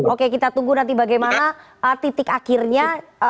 oke kita tunggu nanti bagaimana titik akhirnya